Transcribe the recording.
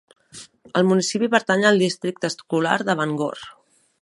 El municipi pertany al districte escolar de Bangor.